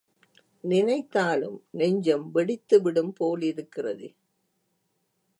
நினைத்தாலும் நெஞ்சம் வெடித்துவிடும் போலிருக்கிறதே!